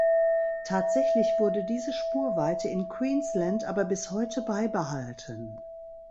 Tatsächlich wurde diese Spurweite in Queensland aber bis heute beibehalten.